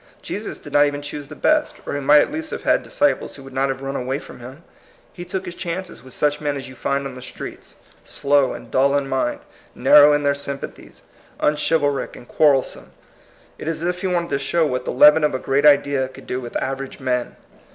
Jesus did not even choose the best, or he might at least have had disciples who would not have run away from him. He took his chances with such men as you find on the streets, slow and dull in mind, narrow in their sympa thies, unchivalric and quarrelsome. It is as if he wanted to show what the leaven of a great idea could do with average men.